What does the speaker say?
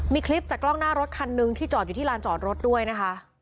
มีคลิปจากกล้องหน้ารถคันหนึ่งที่จอดอยู่ที่ลานจอดรถด้วยนะคะ